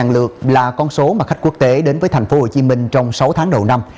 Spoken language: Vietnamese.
bốn trăm bảy mươi bảy lượt là con số mà khách quốc tế đến với tp hcm trong sáu tháng đầu năm